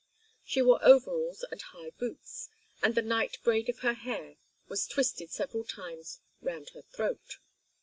She wore overalls and high boots, and the night braid of her hair was twisted several times round her throat.